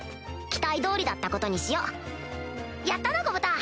期待通りだったことにしようやったなゴブタ！